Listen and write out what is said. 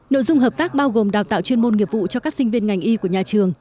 nội dung hợp tác bao gồm đào tạo chuyên môn nghiệp vụ cho các sinh viên ngành y của nhà trường